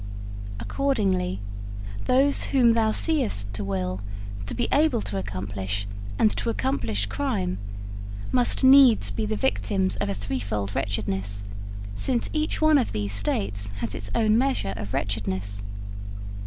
Accordingly, those whom thou seest to will, to be able to accomplish, and to accomplish crime, must needs be the victims of a threefold wretchedness, since each one of these states has its own measure of wretchedness.'